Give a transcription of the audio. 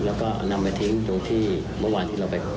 แล้วก็เอานำไปทิ้งมาจากที่เมื่อวานเมื่อเราไป